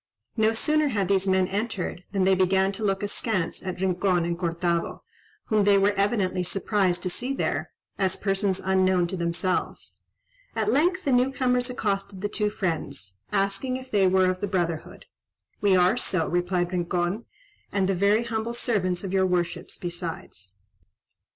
No sooner had these men entered, than they began to look askance at Rincon and Cortado, whom they were evidently surprised to see there, as persons unknown to themselves. At length the new comers accosted the two friends, asking if they were of the brotherhood. "We are so," replied Rincon, "and the very humble servants of your worships besides."